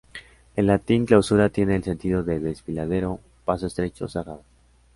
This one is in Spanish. El latín "clausura" tiene el sentido de desfiladero, paso estrecho, cerrado.